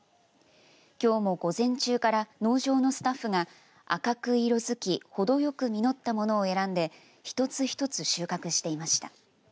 きょうも午前中から農場のスタッフが赤く色づきほどよく実ったものを選んで一つ一つ収穫していました。